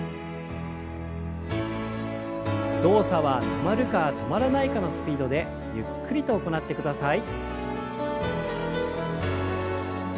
動作は止まるか止まらないかのスピードでゆっくりと行ってください。